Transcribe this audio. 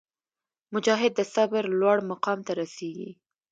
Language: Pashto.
مجاهد د صبر لوړ مقام ته رسېږي.